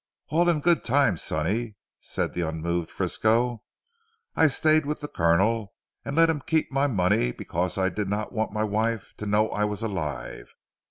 "All in good time sonny," said the unmoved Frisco, "I stayed with the Colonel and let him keep my money because I did not want my wife to know I was alive.